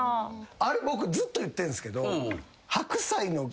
あれ僕ずっと言ってんですけど。